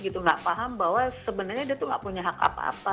tidak paham bahwa sebenarnya dia tuh nggak punya hak apa apa